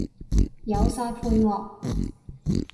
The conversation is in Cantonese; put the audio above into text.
有晒配樂